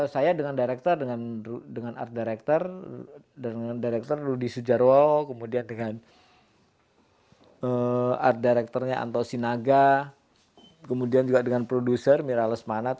saya dengan art director rudy sujarwo kemudian dengan art directornya anto sinaga kemudian juga dengan producer mira lesmana